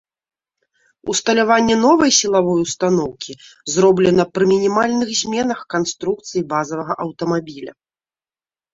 Усталяванне новай сілавой устаноўкі зроблена пры мінімальных зменах канструкцыі базавага аўтамабіля.